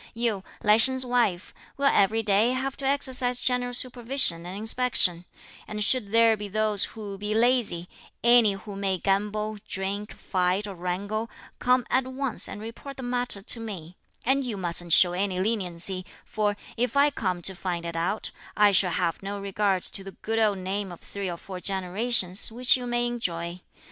You, Lai Sheng's wife, will every day have to exercise general supervision and inspection; and should there be those who be lazy, any who may gamble, drink, fight or wrangle, come at once and report the matter to me; and you mustn't show any leniency, for if I come to find it out, I shall have no regard to the good old name of three or four generations, which you may enjoy.